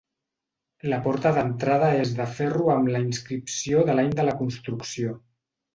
La porta d'entrada és de ferro amb la inscripció de l'any de la construcció.